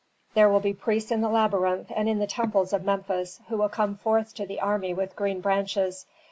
There will be priests in the labyrinth and in the temples of Memphis, who will come forth to the army with green branches.